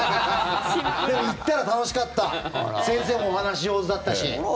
でも、行ったら楽しかった先生もお話し上手だったし。